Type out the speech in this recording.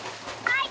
はい！